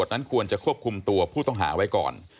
นั้นควรจะควบคุมตัวผู้ต้องหาไว้ก่อน